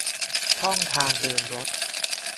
ช่องทางเดินรถ